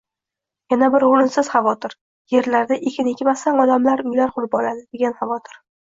Yana bir o‘rinsiz xavotir – yerlarda ekin ekmasdan odamlar uylar qurib oladi, degan xavotir.